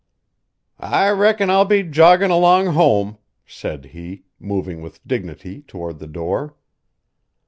"I reckon I'll be joggin' along home," said he, moving with dignity toward the door.